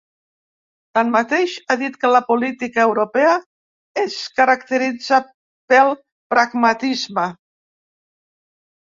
Tanmateix, ha dit que la política europea es caracteritza pel pragmatisme.